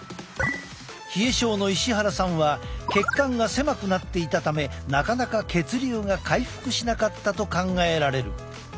冷え症の石原さんは血管が狭くなっていたためなかなか血流が回復しなかったと考えられる。